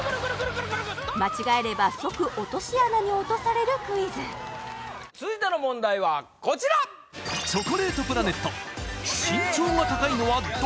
間違えれば即落とし穴に落とされるクイズ続いての問題はこちらチョコレートプラネットえ！？